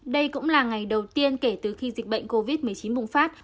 đây cũng là ngày đầu tiên kể từ khi dịch bệnh covid một mươi chín bùng phát